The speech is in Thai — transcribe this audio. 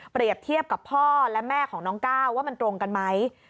เทียบกับพ่อและแม่ของน้องก้าวว่ามันตรงกันไหม